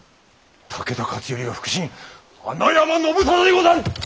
武田勝頼が腹心穴山信君でござる！